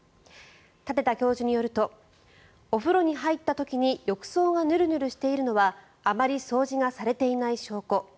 舘田教授によるとお風呂に入った時に浴槽がヌルヌルしているのはあまり掃除がされていない証拠